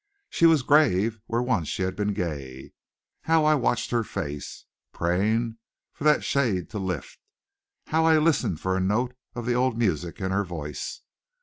She was grave where once she had been gay. How I watched her face, praying for that shade to lift! How I listened for a note of the old music in her voice!